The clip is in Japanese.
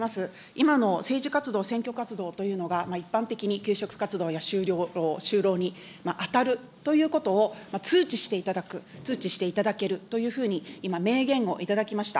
今の政治活動、選挙活動というのが、一般的に求職活動や就労に当たるということを通知していただけるというふうに、今、明言をいただきました。